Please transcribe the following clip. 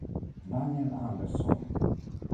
Daniel Anderson